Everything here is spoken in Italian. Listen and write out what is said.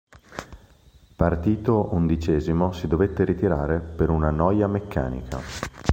Partito undicesimo si dovette ritirare per una noia meccanica.